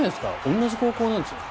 同じ高校なんですよ。